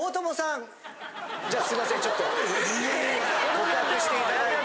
告白していただいて。